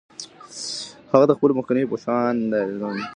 هغه د خپلو مخکینو په شان د هېواد لپاره قربانۍ وکړې.